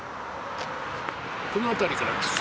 この辺りからです。